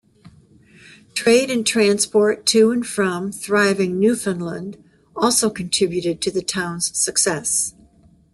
Trade and transport to and from thriving Newfoundland also contributed to the town's success.